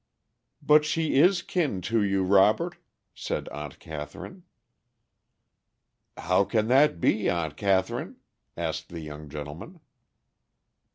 "But she is kin to you, Robert," said Aunt Catherine. "How can that be, Aunt Catherine?" asked the young gentleman.